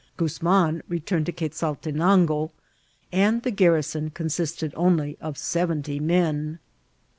Ouzman returned to Quesaltenango, and the garrison consisted only of sev enty men.